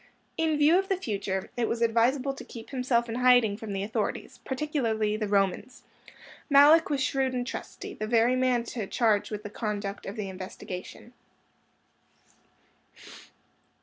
In view of the future, it was advisable to keep himself in hiding from the authorities, particularly the Romans. Malluch was shrewd and trusty; the very man to charge with the conduct of the investigation.